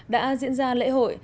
đã diễn ra lễ hội